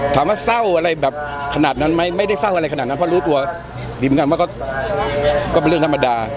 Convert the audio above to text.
ถามว่าเศร้าอะไรขนาดนั้นไม่ได้เศร้าอะไรซะจอเรื่องธรรมดา